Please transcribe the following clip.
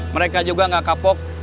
mereka juga gak kapok